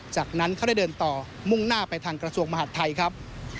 จากนั้นเขาได้เดินต่อมุ่งหน้าไปทางกระทรวงมหาดไทยครับ